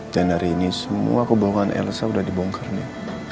dan hari ini semua kebohongan elsa udah dibongkar nih